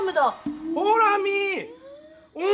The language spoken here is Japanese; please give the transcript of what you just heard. ほら見ぃ！